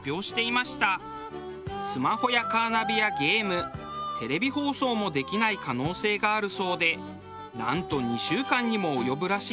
スマホやカーナビやゲームテレビ放送もできない可能性があるそうでなんと２週間にも及ぶらしいです。